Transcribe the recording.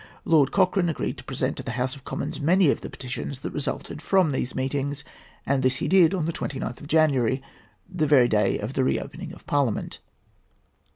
Lord Cochrane agreed to present to the House of Commons many of the petitions that resulted from these meetings, and this he did on the 29th of January, the very day of the re opening of Parliament.